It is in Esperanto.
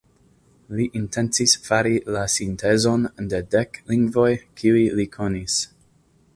Li intencis fari la sintezon de dek lingvoj kiuj li konis.